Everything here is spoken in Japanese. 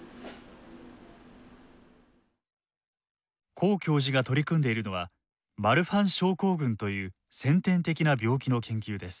黄教授が取り組んでいるのはマルファン症候群という先天的な病気の研究です。